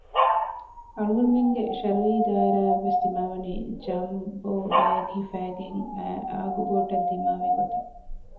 އަޅުގަނޑުމެންގެ ޝަރުއީ ދާއިރާ އަށްވެސް ދިމާވަނީ ޖަމްބޯ ބޭގް ހިފައިގެން އައި އާގުބޯޓަށް ދިމާވި ގޮތަށް